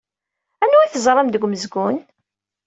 Anwa ay teẓram deg umezgun?